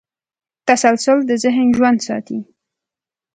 تسلسل د ذهن ژوند ساتي.